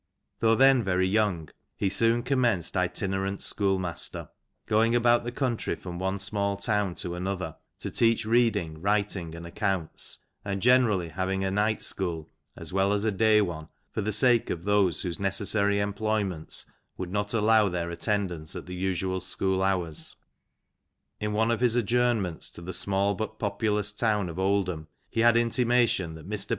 Though, then very young, he soon com menced itinerant schoolmaster ; going about the country from one small town to another, to teach reading, writing, and accounts ; and generally having a night school, (as well as a day one,), for the sake of those whose necessary employments would not allow their attendance at the usual school hours. "In one of his adjournments to the small but populous town of Oldham, he had an intimation that the Rev. Mr.